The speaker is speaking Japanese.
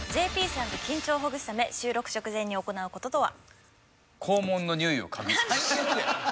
ＪＰさんが緊張をほぐすため収録直前に行う事とは？